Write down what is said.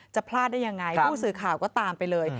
พลาดได้ยังไงผู้สื่อข่าวก็ตามไปเลย